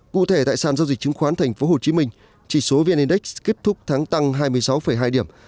cụ thể tại sàn giao dịch chứng khoán tp hcm chỉ số vn index kết thúc tháng tăng hai mươi sáu hai điểm